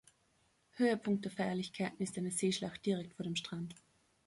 Höhepunkt der Feierlichkeiten ist eine Seeschlacht direkt vor dem Strand.